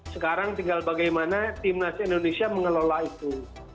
sekarang tinggal bagaimana timnas indonesia mengelola itu